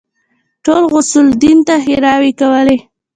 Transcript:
ټولو غوث الدين ته ښېراوې کولې.